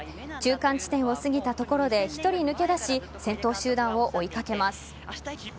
中間地点を過ぎたところで１人抜け出し先頭集団を追いかけます。